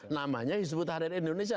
namanya hizbut tahrir indonesia